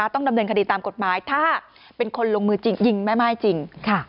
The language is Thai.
ต้องดำเนินคดีตามกฎหมายถ้าเป็นคนลงมือจริงยิงแม่ม่ายจริง